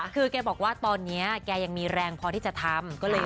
คือแกบอกว่าตอนนี้แกยังมีแรงพอที่จะทำ